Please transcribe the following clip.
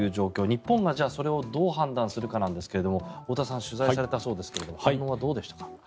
日本がそれをどう判断するかなんですが太田さん取材されたそうですがどうでしたか。